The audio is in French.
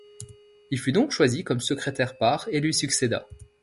Il fut donc choisi comme secrétaire par et lui succéda.